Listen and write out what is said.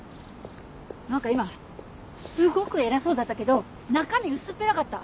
何か今すごく偉そうだったけど中身薄っぺらかった。